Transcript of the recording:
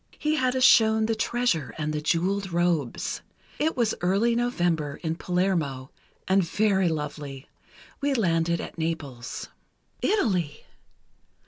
He had us shown the treasure, and the jeweled robes. It was early November in Palermo, and very lovely. We landed at Naples." Italy!